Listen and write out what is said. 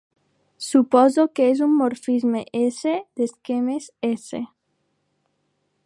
Suposo que és un morfisme "S" d'esquemes "S".